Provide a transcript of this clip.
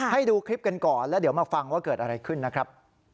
ให้ดูคลิปกันก่อนแล้วเดี๋ยวมาฟังว่าเกิดอะไรขึ้นนะครับ